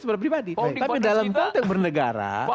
pribadi tapi dalam konteks bernegara